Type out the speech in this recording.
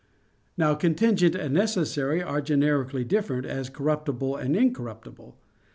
Now contingent and necessary are generically different, as corruptible and incorruptible.